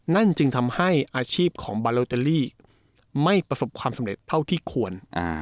นั่นจึงทำให้อาชีพของบาโลเตอรี่ไม่ประสบความสำเร็จเท่าที่ควร